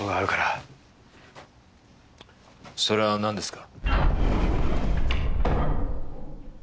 それは何ですか？